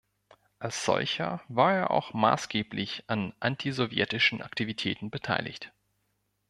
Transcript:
Als solcher war er auch maßgeblich an antisowjetischen Aktivitäten beteiligt.